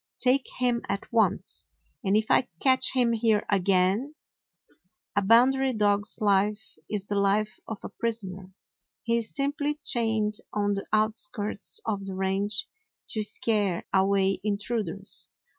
Take him at once, and if I catch him here again —!" A Boundary dog's life is the life of a pris oner. He is simply chained on the outskirts of the range to scare away 1 intruders.